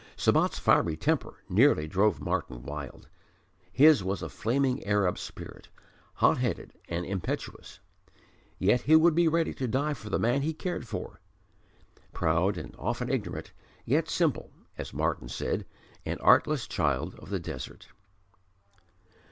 Sabat's fiery temper nearly drove Martyn wild. His was a flaming Arab spirit, hot headed and impetuous; yet he would be ready to die for the man he cared for; proud and often ignorant, yet simple as Martyn said, "an artless child of the desert."